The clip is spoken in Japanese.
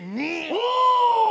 お！